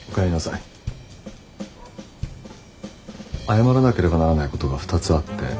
謝らなければならないことが２つあって。